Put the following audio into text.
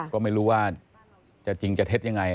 ก็ไม่รู้ว่าจะจริงจะเท็จยังไง